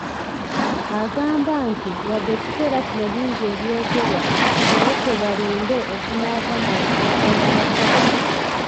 Agamba nti wadde ekiseera kino bingi ebyogerwa naye ke balinde ekinaava mu alipoota y’abasawo